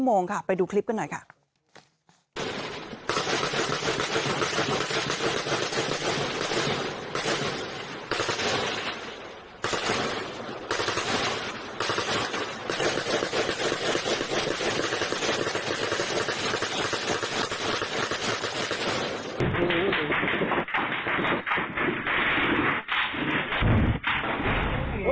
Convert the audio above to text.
กลุ่มน้ำเบิร์ดเข้ามาร้านแล้ว